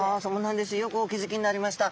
よくお気付きになりました。